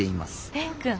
蓮くん。